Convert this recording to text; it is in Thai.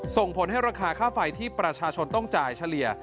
ส่งผลให้ราคาค่าไฟที่ประชาชนต้องจ่ายเฉลี่ย